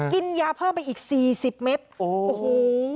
กินยาเพิ่มไปอีก๔๐เมตรโอ้โห